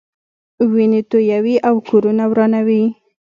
وینې تویوي او کورونه ورانوي.